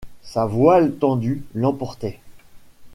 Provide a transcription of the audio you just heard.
Sa voile tendue l’emportait.